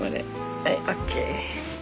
はいＯＫ。